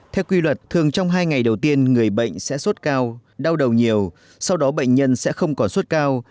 theo quy luật thường trong hai ngày đầu tiên người bệnh sẽ sốt cao đau đầu nhiều sau đó bệnh nhân sẽ không còn suốt cao